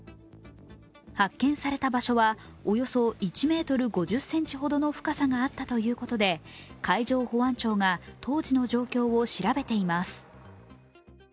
発見された場所はおよそ１ｍ５０ｃｍほどの深さがあったということで海上保安庁が当時の状況を調べています。